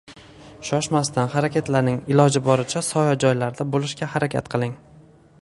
Shoshmasdan harakatlaning, iloji boricha soya joylarda bo`lishga harakat qiling